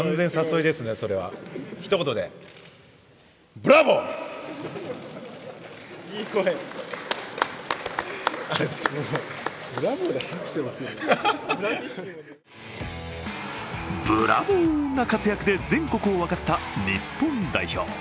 ブラボーな活躍で全国を沸かせた日本代表。